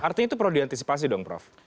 artinya itu perlu diantisipasi dong prof